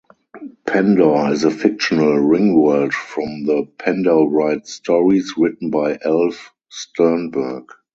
Pendor is a fictional ringworld from the Pendorwright stories written by Elf Sternberg.